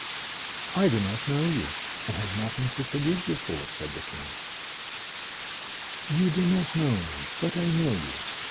"I do not know you, and have nothing to forgive you for," said the King. "You do not know me, but I know you.